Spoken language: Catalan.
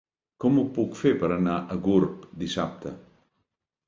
Com ho puc fer per anar a Gurb dissabte?